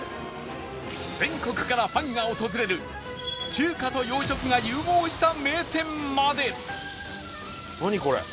全国からファンが訪れる中華と洋食が融合した名店まで！